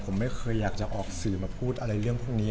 ผมไม่เคยอยากจะออกสื่อมาพูดอะไรเรื่องพวกนี้